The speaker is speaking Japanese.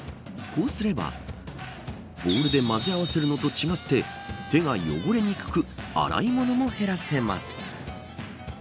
こうすればボウルで混ぜ合わせるなどと違って手が汚れにくく洗い物も減らせます。